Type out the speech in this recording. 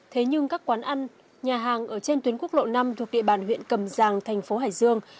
thế nhưng các quán ăn nhà hàng ở trên tuyến quốc lộ năm thuộc địa bàn huyện cầm giang thành phố hải dương